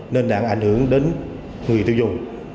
nên đáng ảnh hưởng đến người tiêu dùng